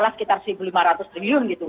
sekitar rp satu lima ratus triliun gitu